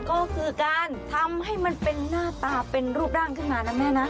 ก็คือการทำให้มันเป็นหน้าตาเป็นรูปร่างขึ้นมานะแม่นะ